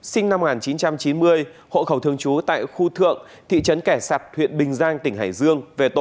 sinh năm một nghìn chín trăm chín mươi hộ khẩu thương chú tại khu thượng thị trấn kẻ sạp huyện bình giang tp hải dương